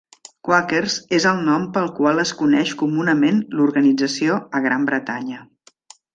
"Quakers" és el nom pel qual es coneix comunament l'organització a Gran Bretanya.